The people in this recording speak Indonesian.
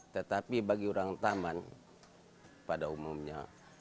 tetapi bagi orang taman pada umumnya